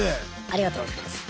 ありがとうございます。